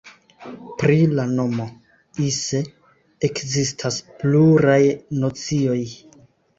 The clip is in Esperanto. Pri la nomo "Ise" ekzistas pluraj nocioj.